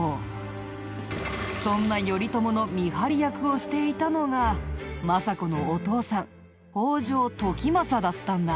そんな頼朝の見張り役をしていたのが政子のお父さん北条時政だったんだ。